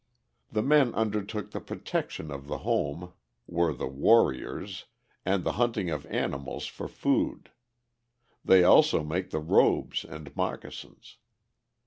The men undertook the protection of the home (were the warriors) and the hunting of animals for food. They also make the robes and moccasins.